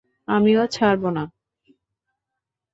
আমিও ছাড়ব না।